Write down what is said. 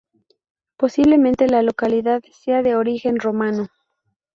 Posiblemente la localidad sea de origen romano.